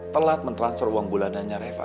telat men transfer uang bulananya reva